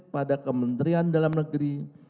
pada kementerian dalam negeri